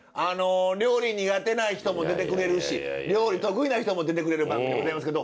料理苦手な人も出てくれるし料理得意な人も出てくれる番組でございますけど。